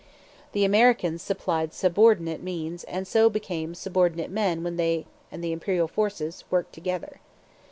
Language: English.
The Americans supplied subordinate means and so became subordinate men when they and the Imperial forces worked together.